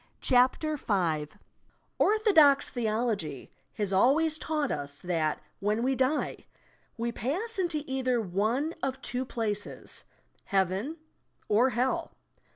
CHAPTER V THE SPIRIT WORLD Orthodox theology has always taught us that, when wa "die," we pass into either one of two places: Heaven or Hell.